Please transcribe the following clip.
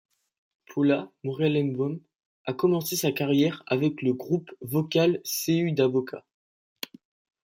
Paula Morelenbaum a commencé sa carrière avec le groupe vocal Céu da Boca.